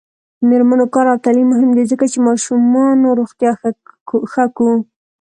د میرمنو کار او تعلیم مهم دی ځکه چې ماشومانو روغتیا ښه کو.